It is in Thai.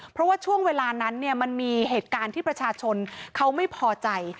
เพราะว่าช่วงเวลานั้นเนี่ยมันมีเหตุการณ์ที่ประชาชนเขาไม่พอใจ